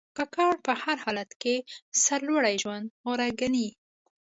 کاکړ په هر حالت کې سرلوړي ژوند غوره ګڼي.